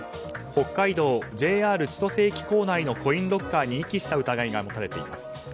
北海道ＪＲ千歳駅構内のコインロッカーに遺棄した疑いが持たれています。